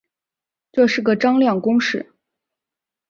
这是个张量公式。